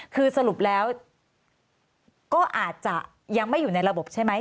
คือสรุปแล้วก็อาจจะยังไม่อยู่ในระบบใช่ไหม